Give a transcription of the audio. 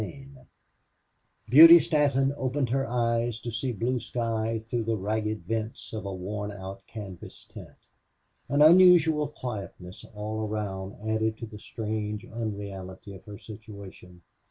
28 Beauty Stanton opened her eyes to see blue sky through the ragged vents of a worn out canvas tent. An unusual quietness all around added to the strange unreality of her situation.